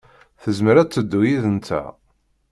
Tezmer ad teddu yid-nteɣ.